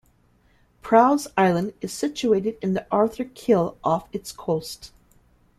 Prall's Island is situated in the Arthur Kill off its coast.